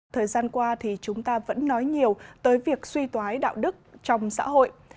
thời gian qua thì chúng ta vẫn nói nhiều tới việc suy thoái đạo đức trong xã hội